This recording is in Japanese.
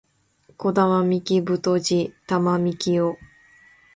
児玉幹太児玉幹太